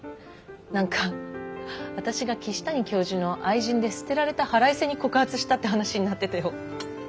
何か私が岸谷教授の愛人で捨てられた腹いせに告発したって話になってたよ。